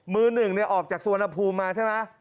มือ๑เนี่ยออกจากสวนภูมิมาใช่ไหม